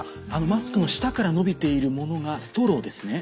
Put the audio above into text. マスクの下から伸びているものがストローですね？